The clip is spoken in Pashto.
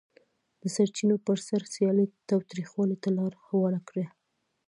د سرچینو پر سر سیالي تاوتریخوالي ته لار هواره کړه.